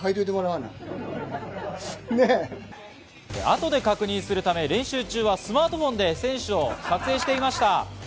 後で確認するため練習中はスマートフォンで選手を撮影していました。